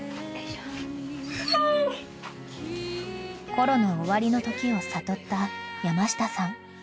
［コロの終わりのときを悟った山下さん］